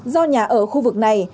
do nhà ở khu vực này